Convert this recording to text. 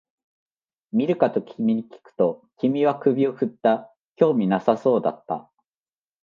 見るかと君にきくと、君は首を振った、興味なさそうだった